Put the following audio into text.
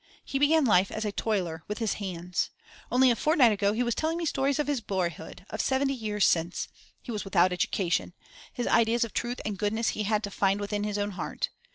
He began life as a toiler with his hands. Only a fortnight ago he was telling me stories of his boyhood, of seventy years since. He was without education; his ideas of truth and goodness he had to find within his own heart.